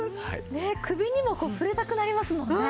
首にも触れたくなりますもんね。